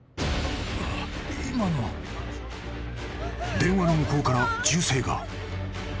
［電話の向こうから銃声が］